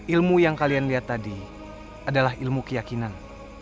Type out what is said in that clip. ilmu yang kalian lihat tadi adalah ilmu keyakinan